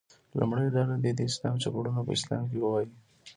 لومړۍ ډله دې د اسلام چوپړونه په افغانستان کې ووایي.